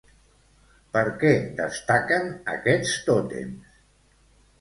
Per què destaquen aquests tòtems?